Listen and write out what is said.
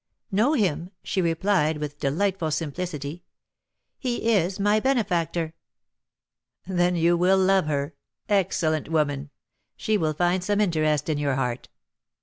'Know him!' she replied, with delightful simplicity; 'he is my benefactor.'" "Then you will love her. Excellent woman! she will find some interest in your heart."